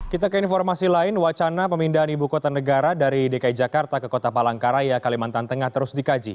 kita ke informasi lain wacana pemindahan ibu kota negara dari dki jakarta ke kota palangkaraya kalimantan tengah terus dikaji